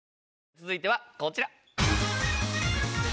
続いてはこちら。